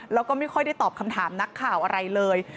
แล้วก็ไม่ค่อยได้ตอบคำถามนักข่าวอะไรเลย